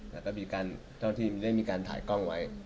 แต่ก็มีการเจ้าที่ได้มีการถ่ายกล้องไว้